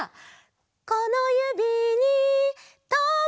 「このゆびにとまれ」